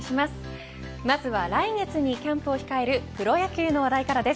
まずは来月にキャンプを控えるプロ野球の話題からです。